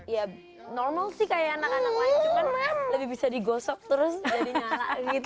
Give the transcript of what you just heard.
ya normal sih kayak anak anak lain juga lebih bisa digosok terus jadi nyala gitu